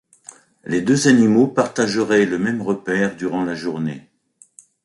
Les deux animaux partageraient le même repaire durant la journée.